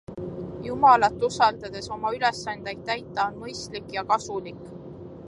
Jumalat usaldades oma ülesandeid täita on mõistlik ja kasulik.